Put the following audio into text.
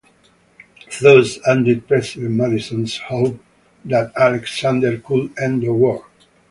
Thus ended President Madison's hope that Alexander could end the war.